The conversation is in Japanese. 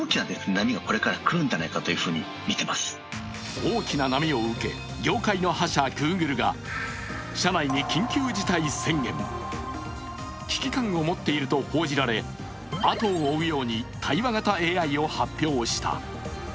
大きな波を受け、業界の覇者、Ｇｏｏｇｌｅが社内に緊急事態宣言、危機感を持っていると報じられ後を追うように対話型ＡＩを発表した。